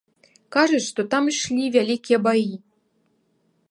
Кажуць, што там ішлі вялікія баі.